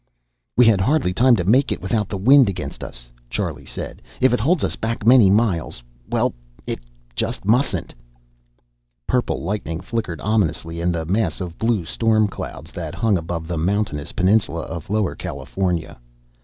"We had hardly time to make it, without the wind against us," Charlie said. "If it holds us back many miles well, it just mustn't!" Purple lightning flickered ominously in the mass of blue storm clouds that hung above the mountainous peninsula of Lower California.